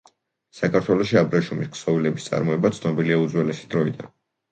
საქართველოში აბრეშუმის ქსოვილების წარმოება ცნობილია უძველესი დროიდან.